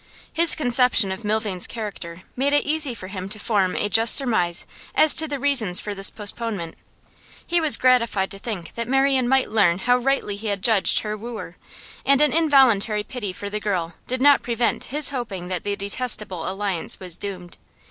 His conception of Milvain's character made it easy for him to form a just surmise as to the reasons for this postponement; he was gratified to think that Marian might learn how rightly he had judged her wooer, and an involuntary pity for the girl did not prevent his hoping that the detestable alliance was doomed.